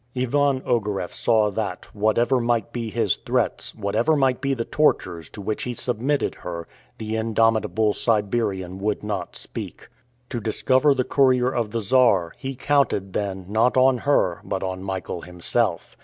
Ivan Ogareff saw that, whatever might be his threats, whatever might be the tortures to which he submitted her, the indomitable Siberian would not speak. To discover the courier of the Czar, he counted, then, not on her, but on Michael himself.